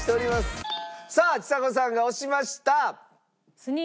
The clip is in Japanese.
さあちさ子さんが押しました！